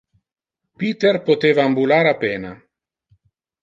Peter poteva ambular a pena.